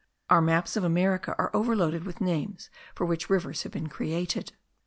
Our maps of America are overloaded with names, for which rivers have been created.